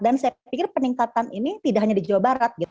dan saya pikir peningkatan ini tidak hanya di jawa barat